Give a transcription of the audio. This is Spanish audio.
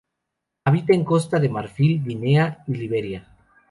Habita en Costa de Marfil, Guinea y Liberia.